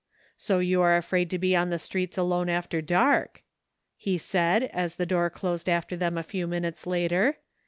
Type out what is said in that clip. So you are afraid to be on the streets alone after dark," he said, as the door closed after them a few minutes later.